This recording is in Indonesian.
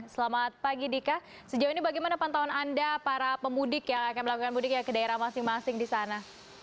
selamat pagi dika sejauh ini bagaimana pantauan anda para pemudik yang akan melakukan mudik ya ke daerah masing masing di sana